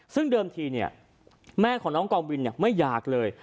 ซึ่งเดิมทีเนี่ยแม่ของน้องกองบินเนี่ยไม่อยากเลย